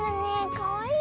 かわいい。